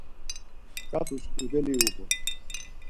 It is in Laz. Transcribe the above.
Ǩat̆us ǩudeli uğun.